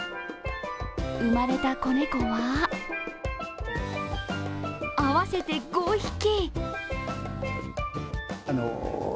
生まれた子猫は合わせて５匹。